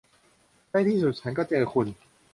ในที่สุดฉันก็เจอคุณ